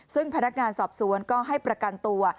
ซึ่งพนักงานสอบสวนก็ให้ประกันตัว